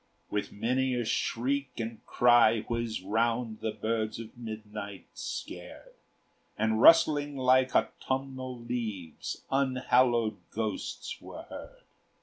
With many a shriek and cry whiz round The birds of midnight, scared; And rustling like autumnal leaves Unhallowed ghosts were heard.